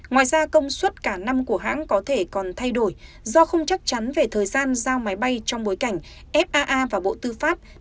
ngoài ra công suất cả năm của hãng có thể còn thay đổi do không chắc chắn về thời gian giao máy bay trong bối cảnh faa và bộ tư pháp